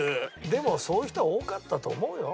でもそういう人は多かったと思うよ。